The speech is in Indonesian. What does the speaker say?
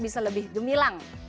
bisa lebih gemilang